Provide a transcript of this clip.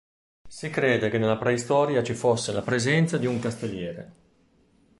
Si crede che nella preistoria ci fosse la presenza di un castelliere.